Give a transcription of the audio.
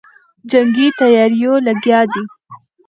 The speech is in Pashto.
جنګي تیاریو لګیا دی.